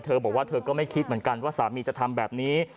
บอกว่าเธอก็ไม่คิดเหมือนกันว่าสามีจะทำแบบนี้